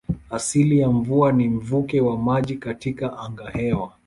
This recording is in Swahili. Asili ya mvua ni mvuke wa maji katika angahewa.